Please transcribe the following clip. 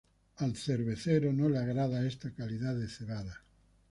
Al cervecero no le agrada esta calidad de cebada.